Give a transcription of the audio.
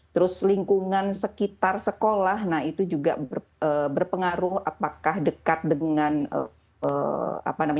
terus lingkungan sekitar sekolah nah itu juga berpengaruh apakah dekat dengan apa namanya